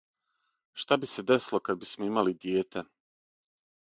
Шта би се десило кад бисмо имали дијете?